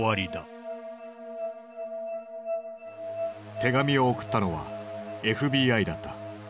手紙を送ったのはＦＢＩだった。